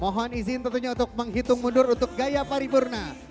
mohon izin tentunya untuk menghitung mundur untuk gaya paripurna